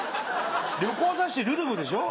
旅行雑誌『るるぶ』でしょ？